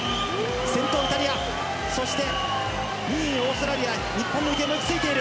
先頭イタリア２位にオーストラリア日本の池江もついている。